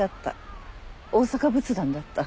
大阪仏壇だった。